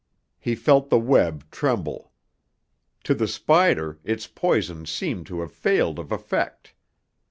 He felt the web tremble. To the spider, its poison seemed to have failed of effect.